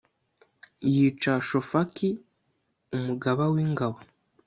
yica shofaki umugaba w’ingabo